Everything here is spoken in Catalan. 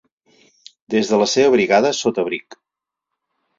Des de la seva brigada sota Brig.